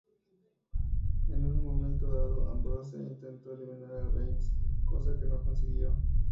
En un momento dado, Ambrose intentó eliminar a Reigns, cosa que no consiguió.